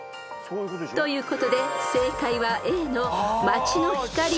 ［ということで正解は］